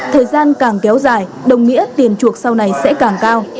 thời gian càng kéo dài đồng nghĩa tiền chuộc sau này sẽ càng cao